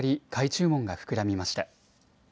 注文が膨らみました。